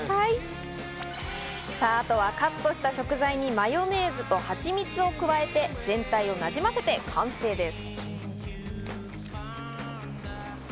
さぁ、あとはカットした食材にマヨネーズとハチミツを加えて全体をなじませて完成です。